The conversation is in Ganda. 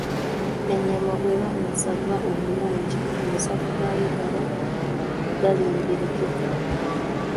Ennyama bw’eba ensava obulungi, amasavu gaayo gaba galengerekeka.